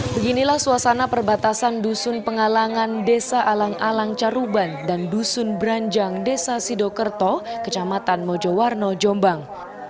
beginilah suasana perbatasan dusun pengalangan desa alang alang caruban dan dusun beranjang desa sidokerto kecamatan mojowarno jombang